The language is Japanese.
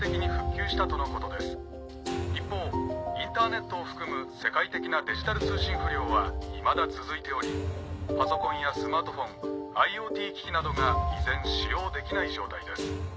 一方インターネットを含む世界的なデジタル通信不良はいまだ続いておりパソコンやスマートフォンＩｏＴ機器などが依然使用できない状態です。